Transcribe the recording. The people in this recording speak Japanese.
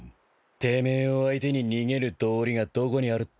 てめえを相手に逃げる道理がどこにあるってんだ。